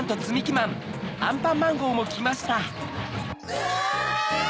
うわ！